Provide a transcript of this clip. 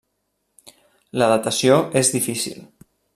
La datació és difícil.